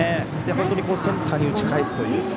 本当にセンターに打ち返すという。